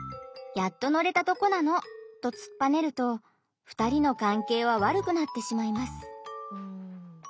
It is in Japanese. やっと乗れたとこなの！」とつっぱねると２人の関係は悪くなってしまいます。